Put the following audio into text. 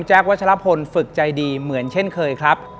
วัชลพลฝึกใจดีเหมือนเช่นเคยครับ